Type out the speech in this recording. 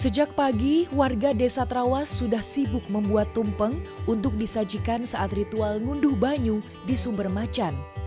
sejak pagi warga desa trawas sudah sibuk membuat tumpeng untuk disajikan saat ritual ngunduh banyu di sumber macan